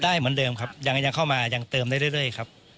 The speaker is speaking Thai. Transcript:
เหมือนเดิมครับยังเข้ามายังเติมได้เรื่อยครับ